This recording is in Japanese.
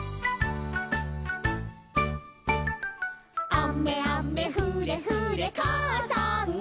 「あめあめふれふれかあさんが」